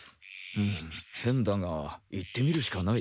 ふむ変だが行ってみるしかない。